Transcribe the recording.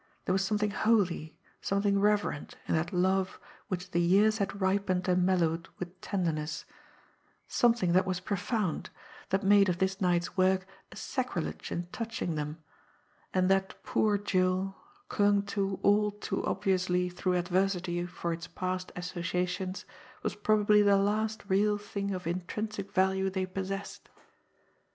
There was something holy, something reverent in that love which the years had ripened and mellowed with tenderness; something that was profound, that made of this night's work a sacrilege in touching them and that poor jewel, clung to all too obviously through adversity for its past associations, was probably the last real thing of intrinsic value they possessed!